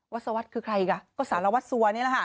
วัศวัฒน์คือใครอีกล่ะก็สารวัศว์ซัวร์นี่แหละค่ะ